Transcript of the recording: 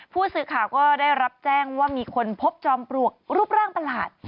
ผู้สื่อข่าวก็ได้รับแจ้งว่ามีคนพบจอมปลวกรูปร่างประหลาด